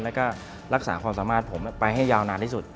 แล้วก็รักษาความสามารถผมไปให้ยาวนานที่สุด